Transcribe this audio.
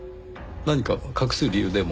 何か隠す理由でも？